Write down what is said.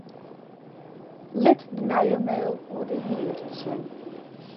Lit de nije mail oer de hier sjen.